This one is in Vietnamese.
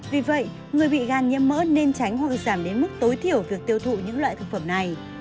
vì vậy người bị gan nhiễm mỡ nên tránh hội giảm đến mức tối thiểu việc tiêu thụ những loại thực phẩm này